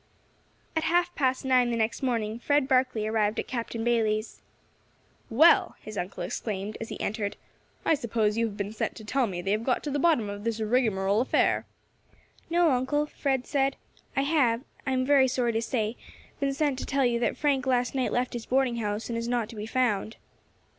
At half past nine the next morning Fred Barkley arrived at Captain Bayley's. "Well," his uncle exclaimed, as he entered, "I suppose you have been sent to tell me they have got to the bottom of this rigmarole affair." "No, uncle," Fred said, "I have, I am sorry to say, been sent to tell you that Frank last night left his boarding house and is not to be found."